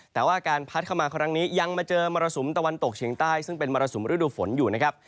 แต่ว่าการพัดเข้ามาครั้งนี้ยังมาเจอมรสุมตะวันตกเฉียงใต้ซึ่งเป็นมรสุมฤดูฝนอยู่นะครับ